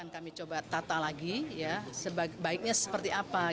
kami coba tata lagi baiknya seperti apa